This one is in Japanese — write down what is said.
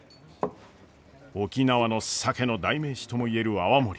沖縄の酒の代名詞とも言える泡盛。